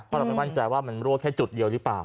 เพราะเราไม่มั่นใจว่ามันรั่วแค่จุดเดียวหรือเปล่า